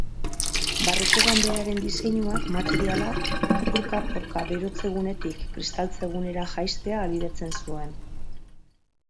Barruko ganberaren diseinuak materiala, apurka-apurka berotze-gunetik kiskaltze-gunera jaistea ahalbidetzen zuen.